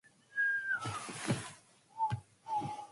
She is on the board of Sciences Po Lille.